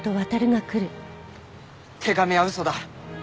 手紙は嘘だ。